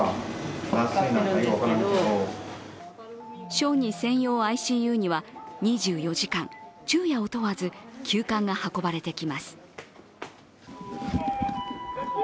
小児専用ＩＣＵには２４時間、昼夜を問わず急患が運ばれてきます。